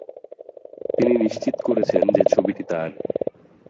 তিনি নিশ্চিত করেছেন যে ছবিটি তার।